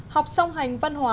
học xong hành văn hóa